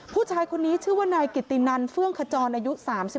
ผู้ชายคนนี้ชื่อว่านายกิตินันเฟื่องขจรอายุ๓๒